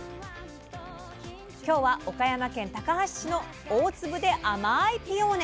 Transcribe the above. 今日は岡山県高梁市の大粒で甘いピオーネ。